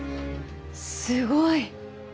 すごい。